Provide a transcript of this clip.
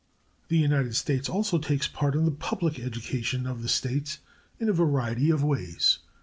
The United States also takes part in the public education of the states in a variety of ways.